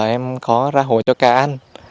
em có ra hồ cho ca ăn